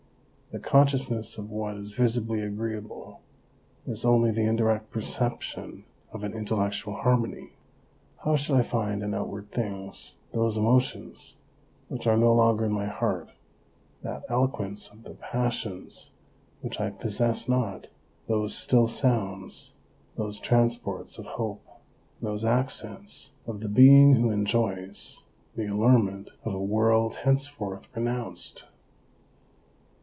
The consciousness of what is visibly agreeable is only the indirect perception of an intellectual harmony. How should I find in outward things those emotions which are no longer in my heart, that eloquence of the passions which I possess not, those still sounds, those transports of hope, those accents of the being who enjoys, the allurement of a world henceforth renounced